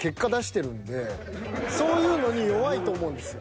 そういうのに弱いと思うんですよ。